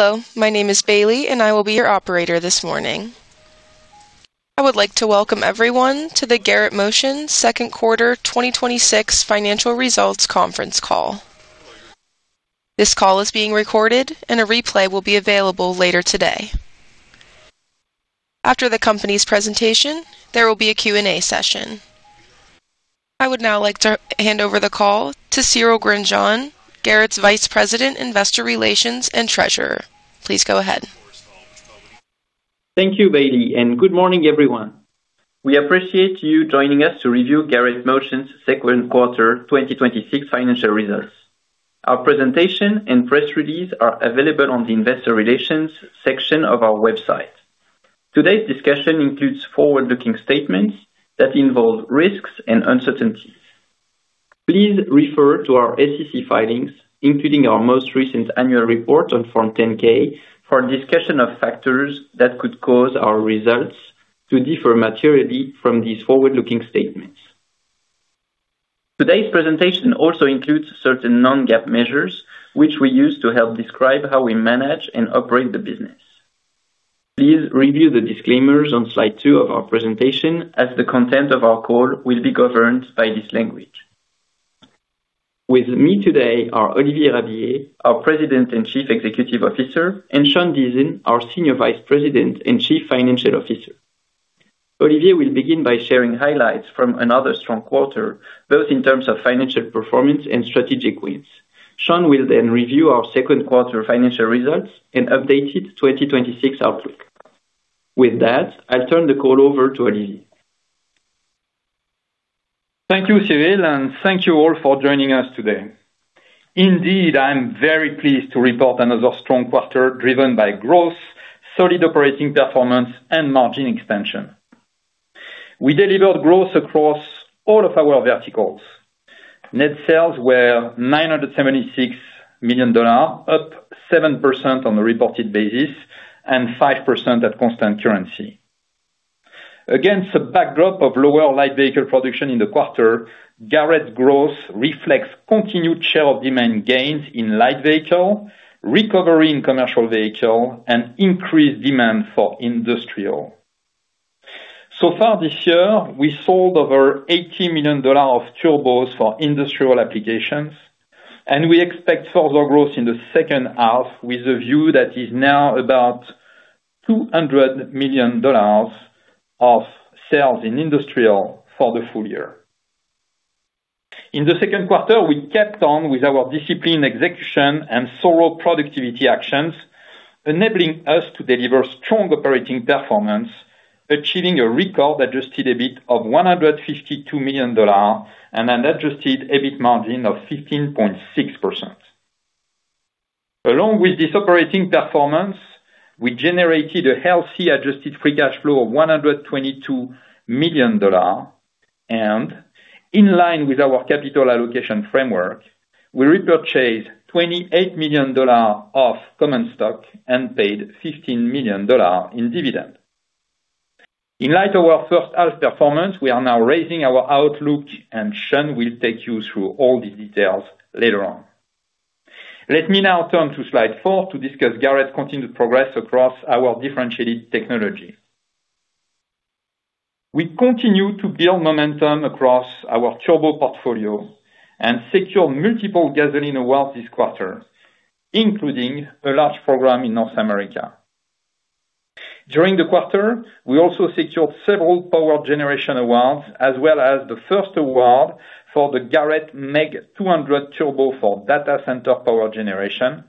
Hello, my name is Bailey, and I will be your operator this morning. I would like to welcome everyone to the Garrett Motion second quarter 2026 financial results conference call. This call is being recorded, and a replay will be available later today. After the company's presentation, there will be a Q&A session. I would now like to hand over the call to Cyril Grandjean, Garrett's Vice President, Investor Relations, and Treasurer. Please go ahead. Thank you, Bailey, and good morning, everyone. We appreciate you joining us to review Garrett Motion's second quarter 2026 financial results. Our presentation and press release are available on the investor relations section of our website. Today's discussion includes forward-looking statements that involve risks and uncertainties. Please refer to our SEC filings, including our most recent annual report on Form 10-K, for a discussion of factors that could cause our results to differ materially from these forward-looking statements. Today's presentation also includes certain non-GAAP measures which we use to help describe how we manage and operate the business. Please review the disclaimers on slide two of our presentation, as the content of our call will be governed by this language. With me today are Olivier Rabiller, our President and Chief Executive Officer, and Sean Deason, our Senior Vice President and Chief Financial Officer. Olivier will begin by sharing highlights from another strong quarter, both in terms of financial performance and strategic wins. Sean will then review our second quarter financial results and updated 2026 outlook. With that, I'll turn the call over to Olivier. Thank you, Cyril, and thank you all for joining us today. Indeed, I'm very pleased to report another strong quarter driven by growth, solid operating performance, and margin expansion. We delivered growth across all of our verticals. Net sales were $976 million, up 7% on a reported basis and 5% at constant currency. Against a backdrop of lower light vehicle production in the quarter, Garrett growth reflects continued share of demand gains in light vehicle, recovery in commercial vehicle, and increased demand for industrial. So far this year, we sold over $80 million of turbos for industrial applications, and we expect further growth in the second half with a view that is now about $200 million of sales in industrial for the full year. In the second quarter, we kept on with our disciplined execution and thorough productivity actions, enabling us to deliver strong operating performance, achieving a record Adjusted EBIT of $152 million and an Adjusted EBIT margin of 15.6%. Along with this operating performance, we generated a healthy Adjusted Free Cash Flow of $122 million, and in line with our capital allocation framework, we repurchased $28 million of common stock and paid $15 million in dividends. In light of our first half performance, we are now raising our outlook, Sean will take you through all the details later on. Let me now turn to slide four to discuss Garrett's continued progress across our differentiated technology. We continue to build momentum across our turbo portfolio and secure multiple gasoline awards this quarter, including a large program in North America. During the quarter, we also secured several power generation awards, as well as the first award for the Garrett MEG200 turbo for data center power generation,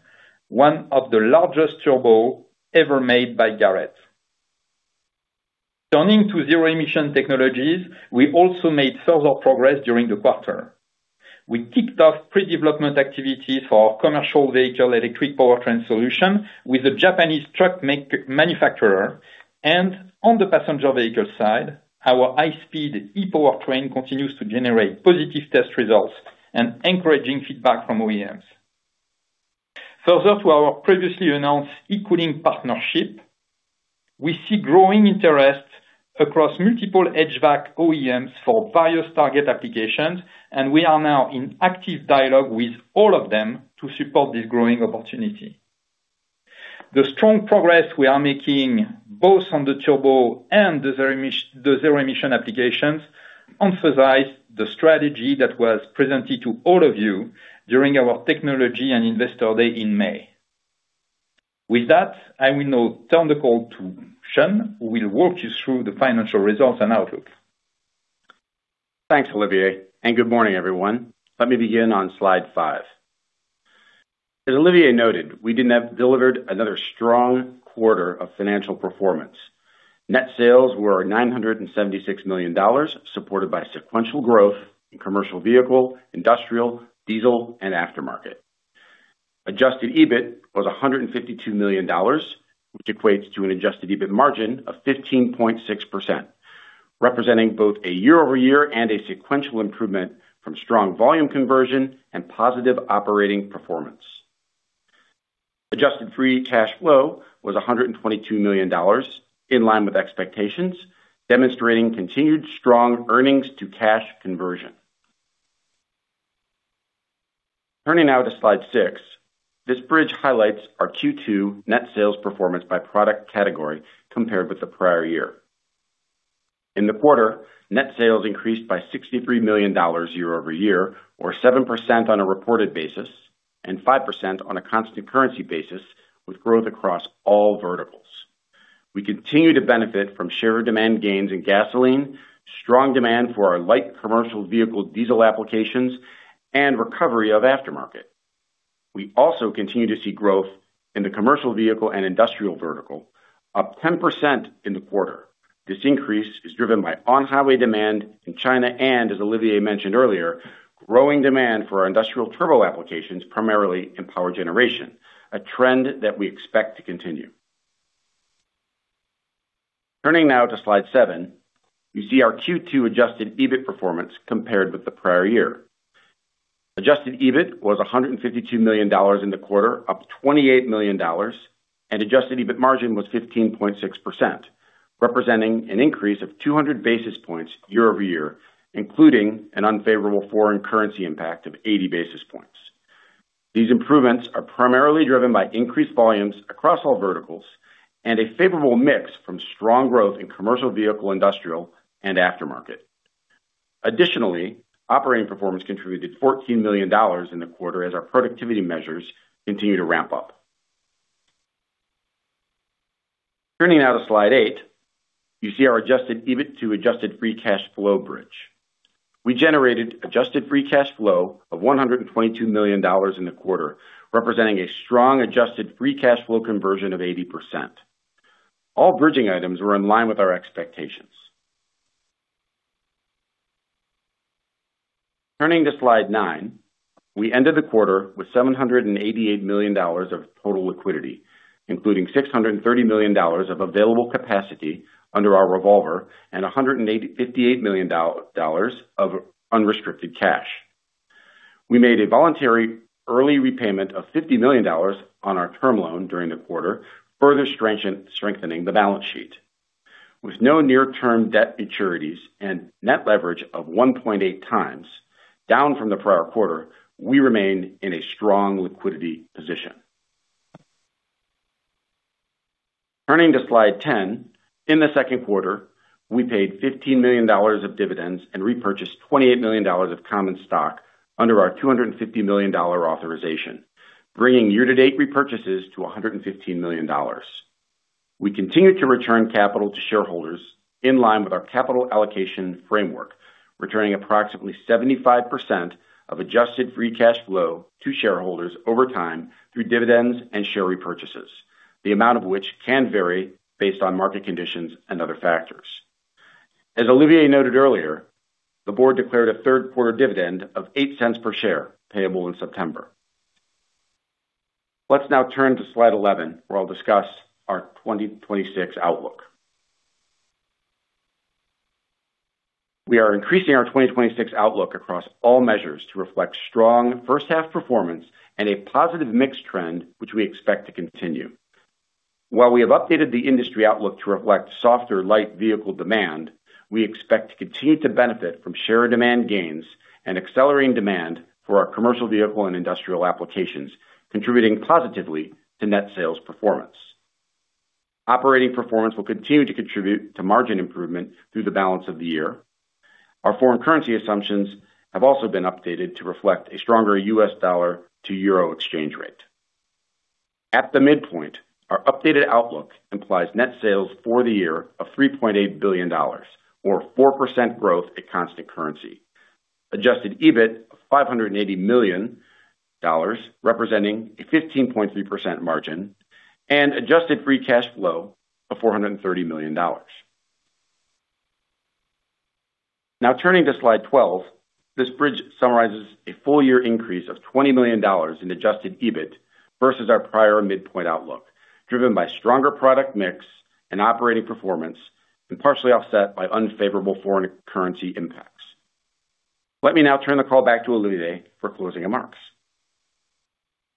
one of the largest turbo ever made by Garrett. Turning to zero-emission technologies, we also made further progress during the quarter. We kicked off pre-development activity for commercial vehicle electric powertrain solution with a Japanese truck manufacturer. On the passenger vehicle side, our high-speed E-Powertrain continues to generate positive test results and encouraging feedback from OEMs. Further to our previously announced E-Cooling partnership, we see growing interest across multiple HVAC OEMs for various target applications, and we are now in active dialogue with all of them to support this growing opportunity. The strong progress we are making both on the turbo and the zero emission applications emphasize the strategy that was presented to all of you during our technology and investor day in May. With that, I will now turn the call to Sean, who will walk you through the financial results and outlook. Thanks, Olivier. Good morning, everyone. Let me begin on slide five. As Olivier noted, we delivered another strong quarter of financial performance. Net sales were $976 million, supported by sequential growth in commercial vehicle, industrial, diesel, and aftermarket. Adjusted EBIT was $152 million, which equates to an Adjusted EBIT margin of 15.6%, representing both a year-over-year and a sequential improvement from strong volume conversion and positive operating performance. Adjusted Free Cash Flow was $122 million, in line with expectations, demonstrating continued strong earnings-to-cash conversion. Turning now to slide six. This bridge highlights our Q2 net sales performance by product category compared with the prior year. In the quarter, net sales increased by $63 million year-over-year or 7% on a reported basis and 5% on a constant currency basis with growth across all verticals. We continue to benefit from share demand gains in gasoline, strong demand for our light commercial vehicle diesel applications, and recovery of aftermarket. We also continue to see growth in the commercial vehicle and industrial vertical, up 10% in the quarter. This increase is driven by on-highway demand in China and, as Olivier mentioned earlier, growing demand for our industrial turbo applications, primarily in power generation, a trend that we expect to continue. Turning now to slide seven. You see our Q2 Adjusted EBIT performance compared with the prior year. Adjusted EBIT was $152 million in the quarter, up $28 million, and Adjusted EBIT margin was 15.6%, representing an increase of 200 basis points year-over-year, including an unfavorable foreign currency impact of 80 basis points. These improvements are primarily driven by increased volumes across all verticals and a favorable mix from strong growth in commercial vehicle, industrial, and aftermarket. Additionally, operating performance contributed $14 million in the quarter as our productivity measures continue to ramp up. Turning now to slide eight. You see our Adjusted EBIT to Adjusted Free Cash Flow bridge. We generated Adjusted Free Cash Flow of $122 million in the quarter, representing a strong Adjusted Free Cash Flow conversion of 80%. All bridging items were in line with our expectations. Turning to slide nine. We ended the quarter with $788 million of total liquidity, including $630 million of available capacity under our revolver and $158 million of unrestricted cash. We made a voluntary early repayment of $50 million on our term loan during the quarter, further strengthening the balance sheet. With no near-term debt maturities and net leverage of 1.8x, down from the prior quarter, we remain in a strong liquidity position. Turning to slide 10. In the second quarter, we paid $15 million of dividends and repurchased $28 million of common stock under our $250 million authorization, bringing year-to-date repurchases to $115 million. We continue to return capital to shareholders in line with our capital allocation framework, returning approximately 75% of Adjusted Free Cash Flow to shareholders over time through dividends and share repurchases. The amount of which can vary based on market conditions and other factors. As Olivier noted earlier, the board declared a third quarter dividend of $0.08 per share, payable in September. Let's now turn to slide 11, where I'll discuss our 2026 outlook. We are increasing our 2026 outlook across all measures to reflect strong first half performance and a positive mix trend, which we expect to continue. While we have updated the industry outlook to reflect softer light vehicle demand, we expect to continue to benefit from share demand gains and accelerating demand for our commercial vehicle and industrial applications, contributing positively to net sales performance. Operating performance will continue to contribute to margin improvement through the balance of the year. Our foreign currency assumptions have also been updated to reflect a stronger US dollar to euro exchange rate. At the midpoint, our updated outlook implies net sales for the year of $3.8 billion, or 4% growth at constant currency. Adjusted EBIT of $580 million, representing a 15.3% margin, and Adjusted Free Cash Flow of $430 million. Now turning to slide 12. This bridge summarizes a full-year increase of $20 million in Adjusted EBIT versus our prior midpoint outlook, driven by stronger product mix and operating performance, and partially offset by unfavorable foreign currency impacts. Let me now turn the call back to Olivier for closing remarks.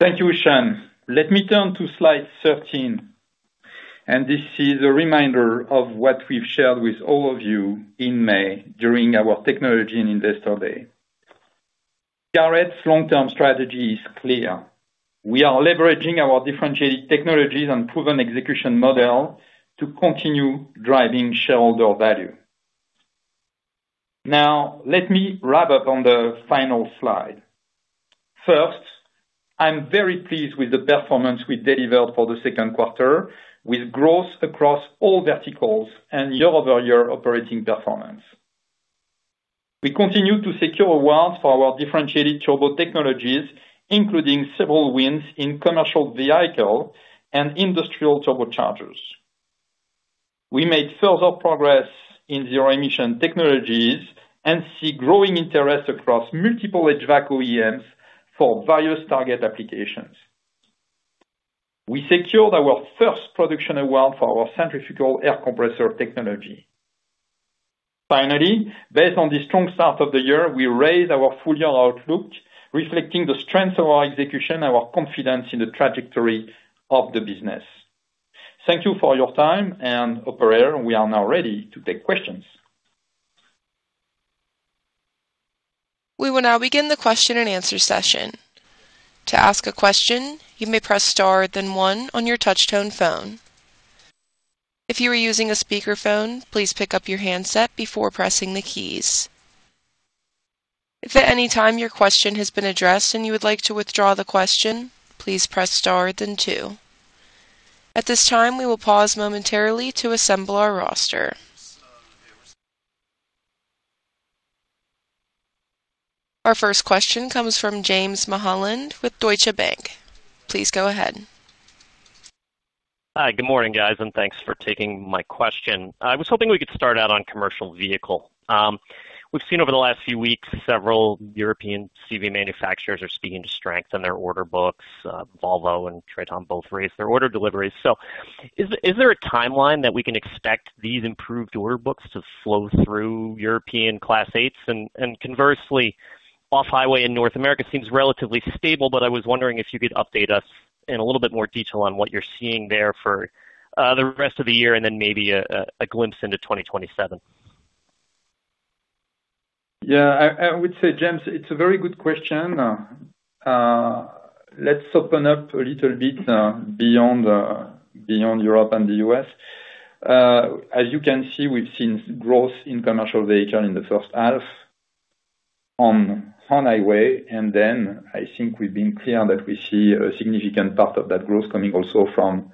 Thank you, Sean. Let me turn to slide 13, and this is a reminder of what we've shared with all of you in May during our Technology and Investor Day. Garrett's long-term strategy is clear. We are leveraging our differentiated technologies and proven execution model to continue driving shareholder value. Let me wrap up on the final slide. First, I'm very pleased with the performance we delivered for the second quarter, with growth across all verticals and year-over-year operating performance. We continue to secure awards for our differentiated turbo technologies, including several wins in commercial vehicle and industrial turbochargers. We made further progress in zero-emission technologies and see growing interest across multiple HVAC OEMs for various target applications. We secured our first production award for our centrifugal air compressor technology. Finally, based on the strong start of the year, we raised our full-year outlook, reflecting the strength of our execution, our confidence in the trajectory of the business. Thank you for your time. Operator, we are now ready to take questions. We will now begin the question-and-answer session. To ask a question, you may press star then one on your touchtone phone. If you are using a speakerphone, please pick up your handset before pressing the keys. If at any time your question has been addressed and you would like to withdraw the question, please press star then two. At this time, we will pause momentarily to assemble our roster. Our first question comes from James Mulholland with Deutsche Bank. Please go ahead. Hi. Good morning, guys, thanks for taking my question. I was hoping we could start out on commercial vehicle. We've seen over the last few weeks, several European CV manufacturers are speaking to strength in their order books. Volvo and Traton both raised their order deliveries. Is there a timeline that we can expect these improved order books to flow through European Class 8s? Conversely, off-highway in North America seems relatively stable, but I was wondering if you could update us in a little bit more detail on what you're seeing there for the rest of the year, then maybe a glimpse into 2027. Yeah. I would say, James, it's a very good question. Let's open up a little bit beyond Europe and the U.S. As you can see, we've seen growth in commercial vehicle in the first half on highway, I think we've been clear that we see a significant part of that growth coming also from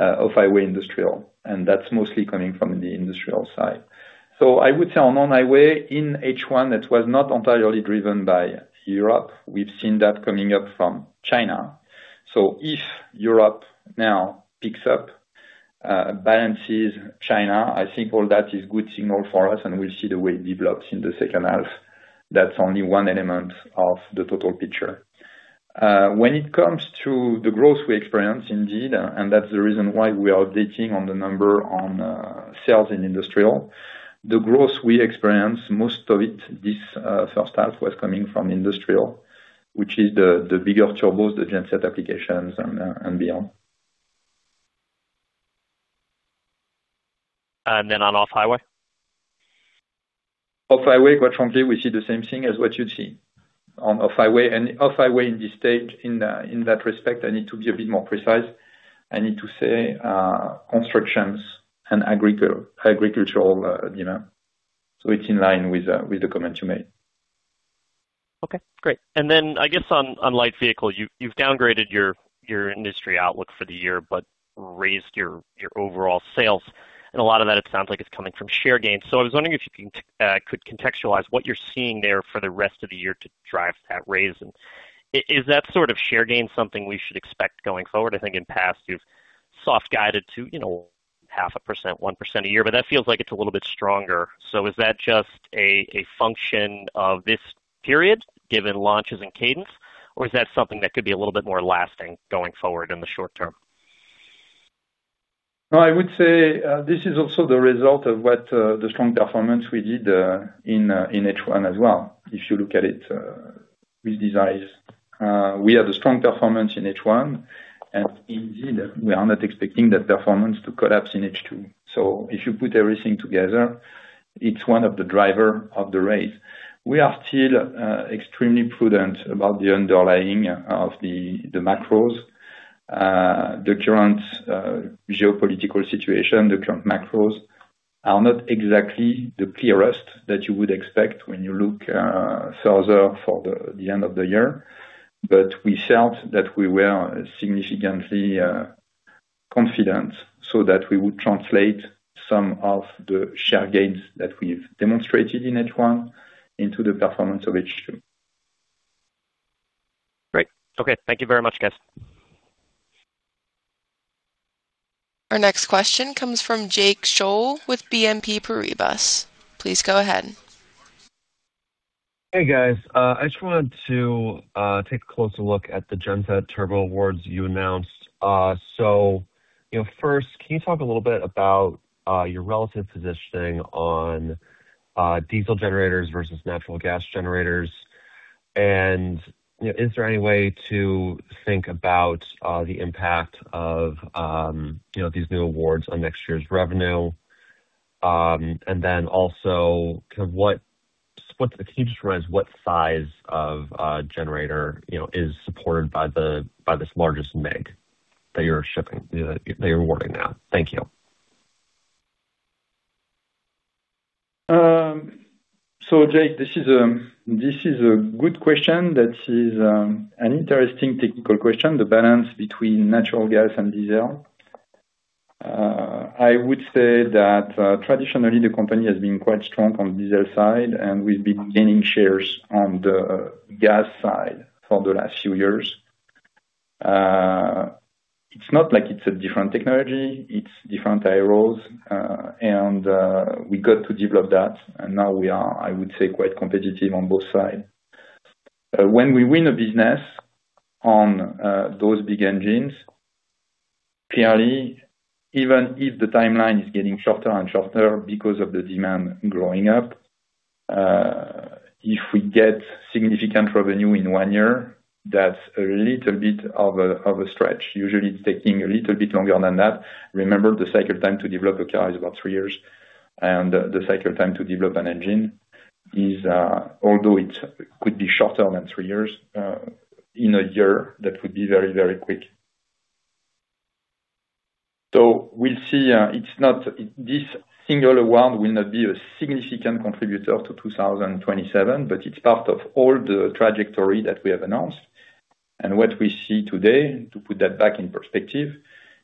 off-highway industrial, that's mostly coming from the industrial side. I would say on highway, in H1, it was not entirely driven by Europe. We've seen that coming up from China. If Europe now picks up, balances China, I think all that is good signal for us, we'll see the way it develops in the second half. That's only one element of the total picture. When it comes to the growth we experience, indeed, the reason why we are betting on the number on sales in industrial. The growth we experience, most of it this first half was coming from industrial, which is the bigger turbos, the genset applications and beyond. On off-highway? Off-highway, quite frankly, we see the same thing as what you'd see. On off-highway and off-highway in this stage, in that respect, I need to be a bit more precise. I need to say, constructions and agricultural. It's in line with the comment you made. Okay, great. I guess on light vehicle, you've downgraded your industry outlook for the year, but raised your overall sales. A lot of that it sounds like it's coming from share gains. I was wondering if you could contextualize what you're seeing there for the rest of the year to drive that raise. Is that sort of share gain something we should expect going forward? I think in past you've soft guided to half a percent, 1% a year, but that feels like it's a little bit stronger. Is that just a function of this period given launches and cadence, or is that something that could be a little bit more lasting going forward in the short term? No, I would say, this is also the result of what the strong performance we did in H1 as well. If you look at it with these eyes. We have a strong performance in H1, and indeed, we are not expecting that performance to collapse in H2. If you put everything together, it's one of the driver of the raise. We are still extremely prudent about the underlying of the macros. The current geopolitical situation, the current macros are not exactly the clearest that you would expect when you look further for the end of the year. We felt that we were significantly confident so that we would translate some of the share gains that we've demonstrated in H1 into the performance of H2. Great. Okay. Thank you very much, guys. Our next question comes from Jake Scholl with BNP Paribas. Please go ahead. Hey, guys. I just wanted to take a closer look at the genset turbo awards you announced. First, can you talk a little bit about your relative positioning on diesel generators versus natural gas generators? Is there any way to think about the impact of these new awards on next year's revenue? Then also, can you just remind us what size of generator is supported by this largest MEG that you're awarding now? Thank you. Jake, this is a good question. That is an interesting technical question, the balance between natural gas and diesel. I would say that traditionally, the company has been quite strong on diesel side, and we've been gaining shares on the gas side for the last few years. It's not like it's a different technology. It's different arrows. We got to develop that, and now we are, I would say, quite competitive on both sides. When we win a business on those big engines, clearly, even if the timeline is getting shorter and shorter because of the demand growing up If we get significant revenue in one year, that's a little bit of a stretch. Usually, it's taking a little bit longer than that. Remember, the cycle time to develop a car is about three years, and the cycle time to develop an engine, although it could be shorter than three years, in a year, that would be very quick. We'll see. This single award will not be a significant contributor to 2027, but it's part of all the trajectory that we have announced. What we see today, to put that back in perspective,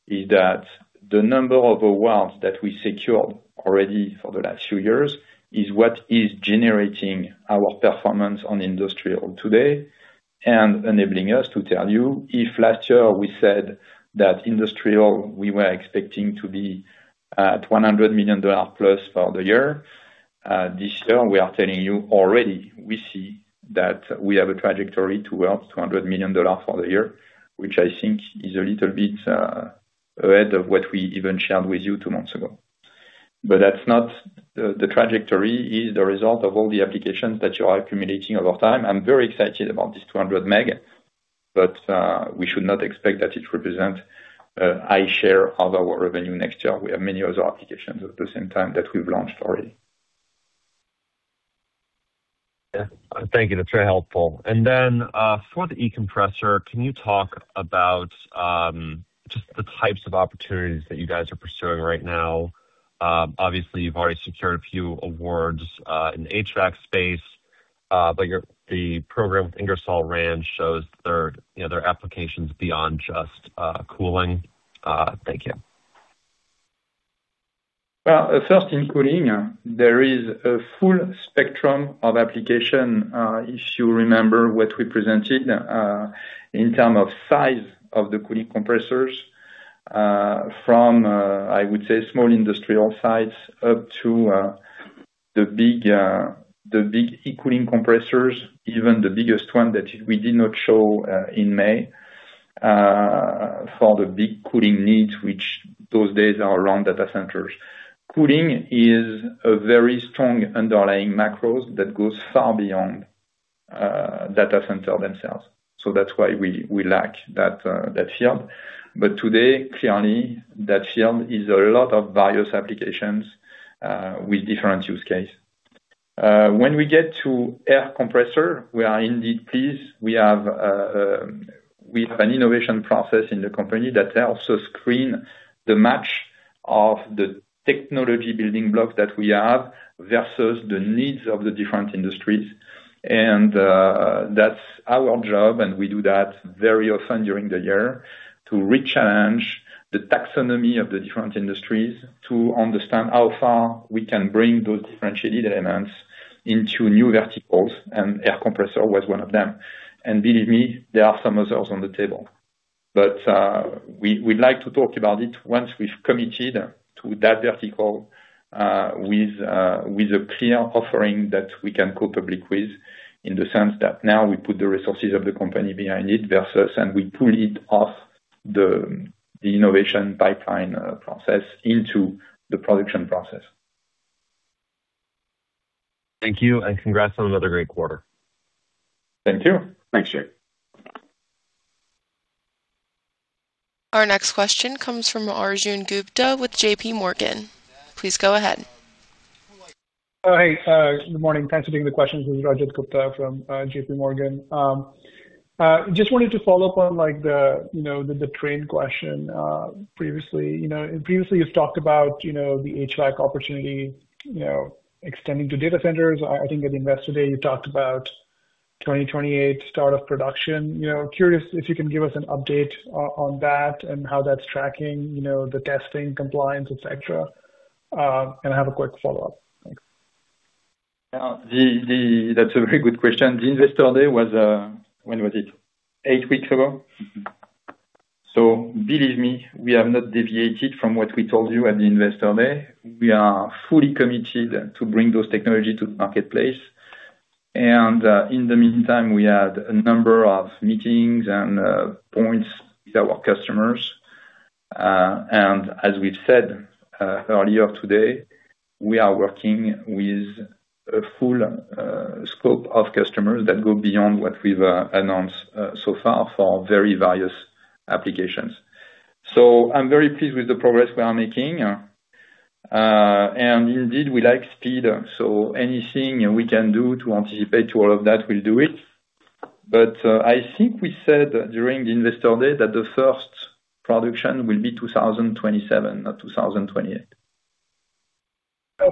is that the number of awards that we secured already for the last few years is what is generating our performance on industrial today and enabling us to tell you if last year we said that industrial, we were expecting to be at $100 million+ for the year. This year, we are telling you already, we see that we have a trajectory towards $200 million for the year, which I think is a little bit ahead of what we even shared with you two months ago. The trajectory is the result of all the applications that you are accumulating over time. I'm very excited about this MEG200, we should not expect that it represents a high share of our revenue next year. We have many other applications at the same time that we've launched already. Yeah. Thank you. That's very helpful. Then, for the E-Compressor, can you talk about just the types of opportunities that you guys are pursuing right now? Obviously, you've already secured a few awards, in the HVAC space. The program with Ingersoll Rand shows there are applications beyond just cooling. Thank you. Well, first, in cooling, there is a full spectrum of application. If you remember what we presented, in terms of size of the cooling compressors, from, I would say small industrial sites up to the big E-Cooling compressors, even the biggest one that we did not show in May, for the big cooling needs, which those days are around data centers. Cooling is a very strong underlying macro that goes far beyond data centers themselves. That's why we like that field. Today, clearly that field is a lot of various applications, with different use cases. When we get to air compressor, we are indeed pleased. We have an innovation process in the company that helps us screen the match of the technology building blocks that we have versus the needs of the different industries. That's our job, and we do that very often during the year to re-challenge the taxonomy of the different industries to understand how far we can bring those differentiated elements into new verticals, and air compressor was one of them. Believe me, there are some others on the table. We'd like to talk about it once we've committed to that vertical, with a clear offering that we can go public with in the sense that now we put the resources of the company behind it versus, we pull it off the innovation pipeline process into the production process. Thank you, congrats on another great quarter. Thank you. Thanks, Jake. Our next question comes from Arjun Gupta with JPMorgan. Please go ahead. Hey, good morning. Thanks for taking the question. This is Arjun Gupta from JPMorgan. I wanted to follow up on the train question. Previously, you've talked about the HVAC opportunity extending to data centers. I think at Investor Day, you talked about 2028 start of production. Curious if you can give us an update on that and how that's tracking, the testing compliance, etc. I have a quick follow-up. Thanks. That's a very good question. The Investor Day was When was it? Eight weeks ago. Believe me, we have not deviated from what we told you at the Investor Day. We are fully committed to bring those technology to the marketplace. In the meantime, we had a number of meetings and points with our customers. As we've said earlier today, we are working with a full scope of customers that go beyond what we've announced so far for very various applications. I'm very pleased with the progress we are making. Indeed, we like speed, so anything we can do to anticipate all of that, we'll do it. I think we said during the Investor Day that the first production will be 2027, not 2028.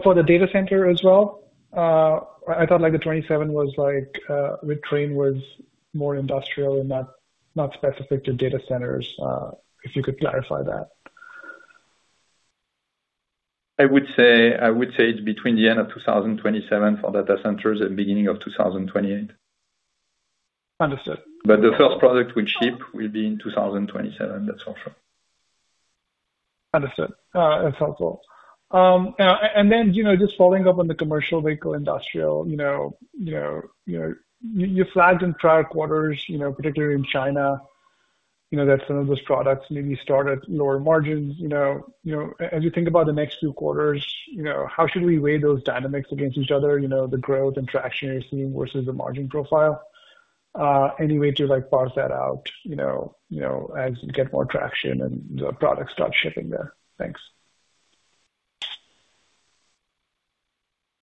For the data center as well? I thought the 2027 was, the train was more industrial and not specific to data centers. If you could clarify that. I would say it's between the end of 2027 for data centers and beginning of 2028. Understood. The first product we ship will be in 2027. That's for sure. Understood. That's helpful. Just following up on the commercial vehicle, industrial. You flagged in prior quarters, particularly in China, you know that some of those products maybe start at lower margins. As you think about the next few quarters, how should we weigh those dynamics against each other, the growth and traction you're seeing versus the margin profile? Any way to like parse that out as you get more traction and the products start shipping there? Thanks.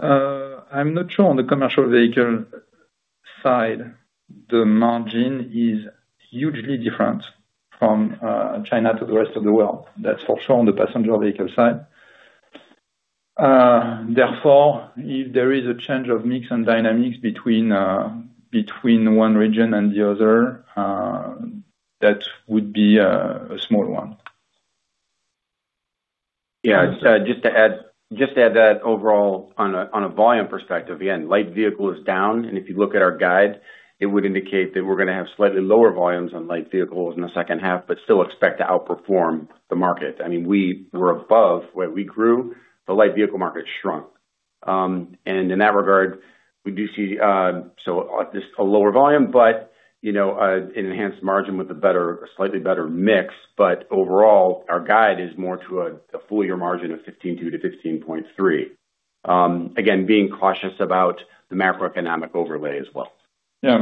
I'm not sure on the commercial vehicle side, the margin is hugely different from China to the rest of the world. That's for sure on the passenger vehicle side. If there is a change of mix and dynamics between one region and the other, that would be a small one. Yeah. Just to add to that, overall, on a volume perspective, again, light vehicle is down, and if you look at our guide, it would indicate that we're going to have slightly lower volumes on light vehicles in the second half, but still expect to outperform the market. We were above where we grew. The light vehicle market shrunk. In that regard, we do see a lower volume, but an enhanced margin with a slightly better mix. Overall, our guide is more to a full-year margin of 15.2%-15.3%. Again, being cautious about the macroeconomic overlay as well. Yeah,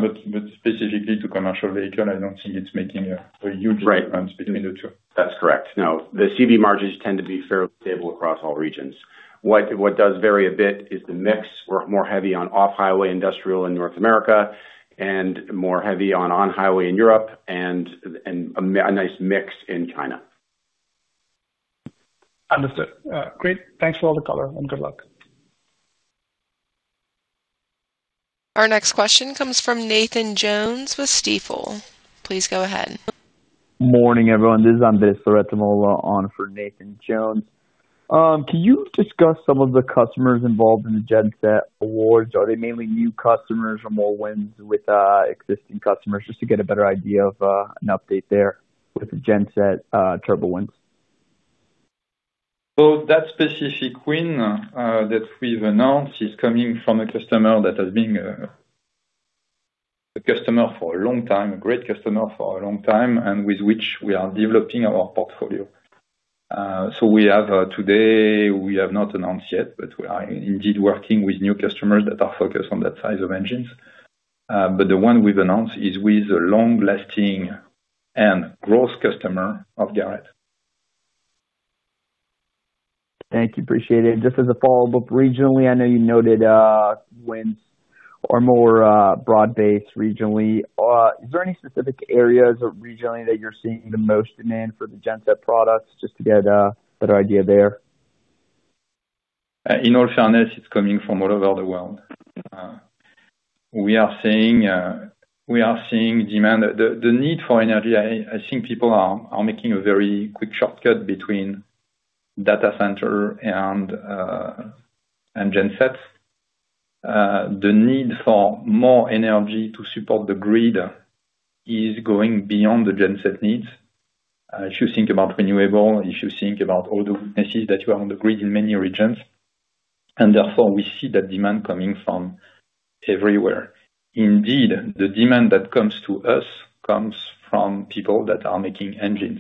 specifically to commercial vehicle, I don't see it making a huge- Right Difference between the two. That's correct. No. The CV margins tend to be fairly stable across all regions. What does vary a bit is the mix. We're more heavy on off-highway industrial in North America and more heavy on on-highway in Europe and a nice mix in China. Understood. Great. Thanks for all the color, and good luck. Our next question comes from Nathan Jones with Stifel. Please go ahead. Morning, everyone. This is Andrés Loret de Mola on for Nathan Jones. Can you discuss some of the customers involved in the genset awards? Are they mainly new customers or more wins with existing customers? Just to get a better idea of an update there with the genset turbo wins. That specific win that we've announced is coming from a customer that has been a customer for a long time, a great customer for a long time, and with which we are developing our portfolio. We have today, we have not announced yet, but we are indeed working with new customers that are focused on that size of engines. The one we've announced is with a long-lasting and growth customer of Garrett. Thank you. Appreciate it. Just as a follow-up, regionally, I know you noted wins are more broad-based regionally. Is there any specific areas or regionally that you're seeing the most demand for the genset products? Just to get a better idea there. In all fairness, it's coming from all over the world. We are seeing demand, the need for energy. I think people are making a very quick shortcut between data center and gensets. The need for more energy to support the grid is going beyond the genset needs. If you think about renewable, if you think about all the weaknesses that you have on the grid in many regions, Therefore, we see that demand coming from everywhere. Indeed, the demand that comes to us comes from people that are making engines.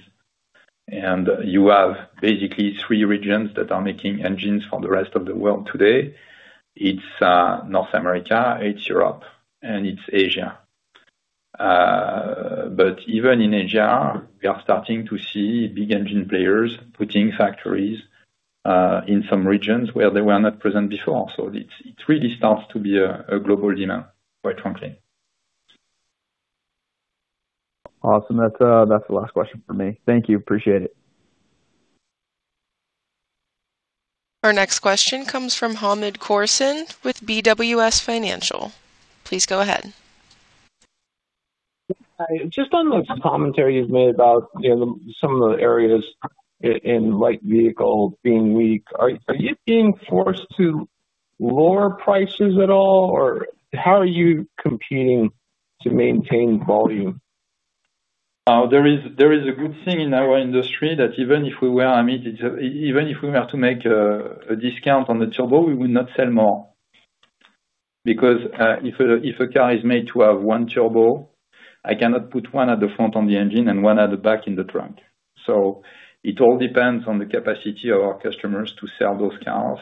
You have basically three regions that are making engines for the rest of the world today. It's North America, it's Europe, and it's Asia. Even in Asia, we are starting to see big engine players putting factories in some regions where they were not present before. It really starts to be a global demand, quite frankly. Awesome. That's the last question from me. Thank you. Appreciate it. Our next question comes from Hamed Khorsand with BWS Financial. Please go ahead. Hi. Just on the commentary you've made about some of the areas in light vehicle being weak, are you being forced to lower prices at all? How are you competing to maintain volume? There is a good thing in our industry that even if we were to make a discount on the turbo, we would not sell more. Because if a car is made to have one turbo, I cannot put one at the front on the engine and one at the back in the trunk. It all depends on the capacity of our customers to sell those cars,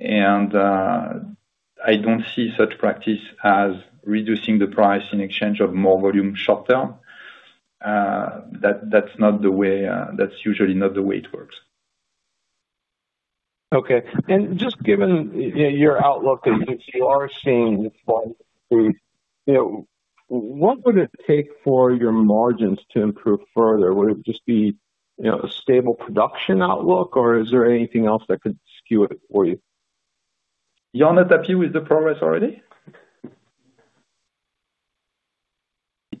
and I don't see such practice as reducing the price in exchange of more volume short-term. That's usually not the way it works. Okay. Just given your outlook that you are seeing What would it take for your margins to improve further? Would it just be a stable production outlook, or is there anything else that could skew it for you? You're not happy with the progress already?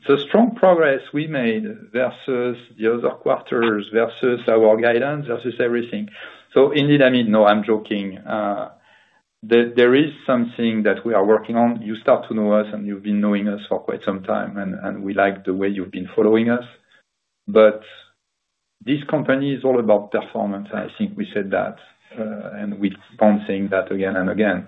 It's a strong progress we made versus the other quarters, versus our guidance, versus everything. Indeed, I mean, no, I'm joking. There is something that we are working on. You start to know us, and you've been knowing us for quite some time, and we like the way you've been following us. This company is all about performance, and I think we said that, and we keep on saying that again and again.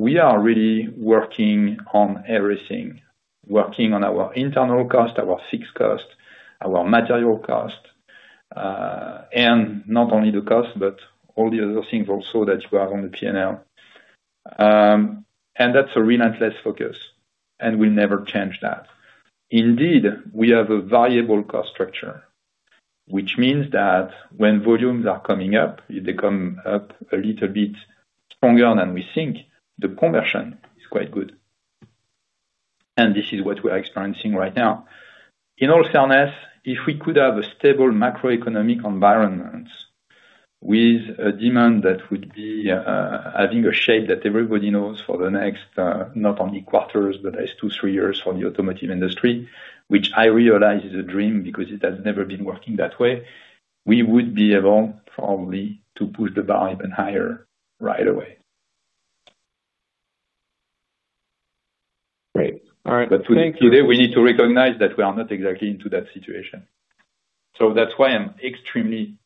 We are really working on everything, working on our internal cost, our fixed cost, our material cost. Not only the cost, but all the other things also that you have on the P&L. That's a relentless focus, and we never change that. Indeed, we have a variable cost structure, which means that when volumes are coming up, they come up a little bit stronger than we think. The conversion is quite good. This is what we're experiencing right now. In all fairness, if we could have a stable macroeconomic environment with a demand that would be having a shape that everybody knows for the next not only quarters, but next two, three years for the automotive industry, which I realize is a dream because it has never been working that way, we would be able, probably, to push the bar even higher right away. Great. All right. Thank you. Today, we need to recognize that we are not exactly into that situation. That's why I'm extremely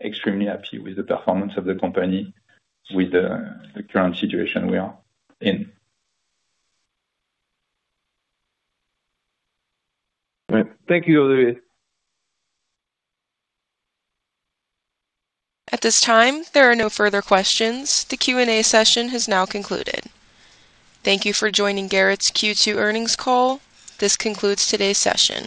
happy with the performance of the company with the current situation we are in. All right. Thank you, Olivier. At this time, there are no further questions. The Q&A session has now concluded. Thank you for joining Garrett's Q2 earnings call. This concludes today's session.